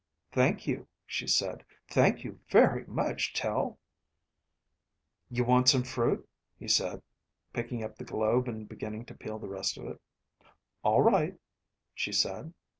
"Thank you," she said. "Thank you very much, Tel." "You want some fruit?" he said, picking up the globe and beginning to peel the rest of it. "All right," she said.